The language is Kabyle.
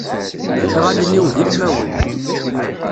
Iɣallen-iw d ilmawen.